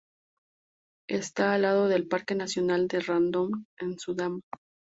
Está al lado del Parque Nacional de Radom en Sudán.